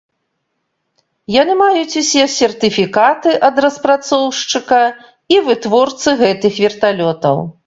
Яны маюць усе сертыфікаты ад распрацоўшчыка і вытворцы гэтых верталётаў.